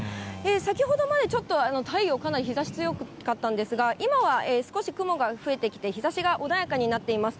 先ほどまでちょっと太陽、かなり日ざし強かったんですが、今は少し雲が増えてきて、日ざしが穏やかになっています。